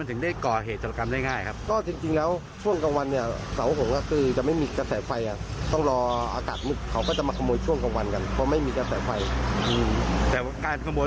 ถูกต้องแล้วก็เขาก็รับสาธารณ์ภาพ